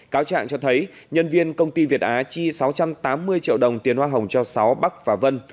cáo trạng cho thấy nhân viên công ty việt á chi sáu trăm tám mươi triệu đồng tiền hoa hồng cho sáu bắc và vân